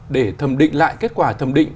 để thẩm định lại kết quả thẩm định